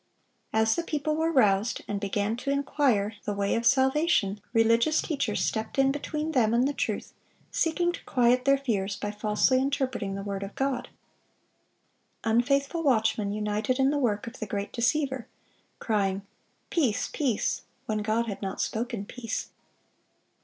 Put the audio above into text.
As the people were roused, and began to inquire the way of salvation, religious teachers stepped in between them and the truth, seeking to quiet their fears by falsely interpreting the word of God. Unfaithful watchmen united in the work of the great deceiver, crying, Peace, peace, when God had not spoken peace.